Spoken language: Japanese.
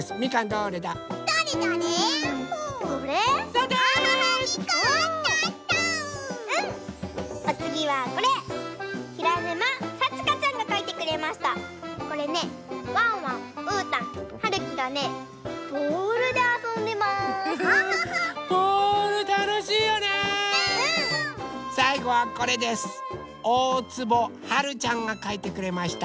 おおつぼはるちゃんがかいてくれました。